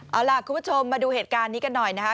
เอาล่ะคุณผู้ชมมาดูเหตุการณ์นี้กันหน่อยนะคะ